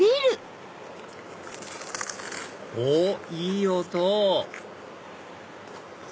おっいい音！